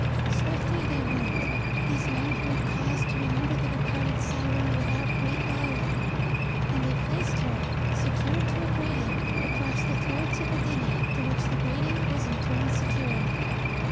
Swiftly they worked, these men who had cause to remember the departed siren without great love, and they placed her, secured to a grating, across the thwarts of the dingey, to which the grating was in turn secured.